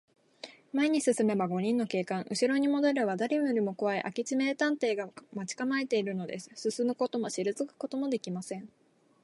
前に進めば五人の警官、うしろにもどれば、だれよりもこわい明智名探偵が待ちかまえているのです。進むこともしりぞくこともできません。